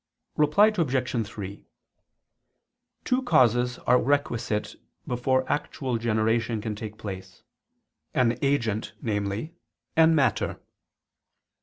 Reply Obj. 3: Two causes are requisite before actual generation can take place, an agent, namely, and matter.